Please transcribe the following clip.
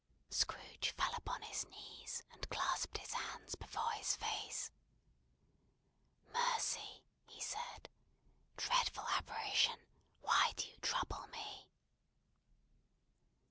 Scrooge fell upon his knees, and clasped his hands before his face. "Mercy!" he said. "Dreadful apparition, why do you trouble me?"